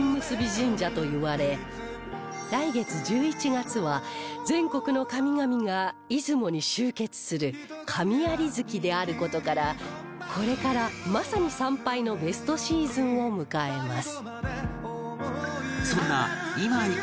神社といわれ来月１１月は全国の神々が出雲に集結する神在月である事からこれからまさに参拝のベストシーズンを迎えます